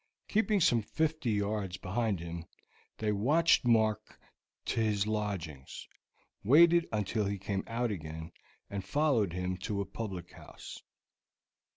Keeping some fifty yards behind him, they watched Mark to his lodgings, waited until he came out again, and followed him to a public house.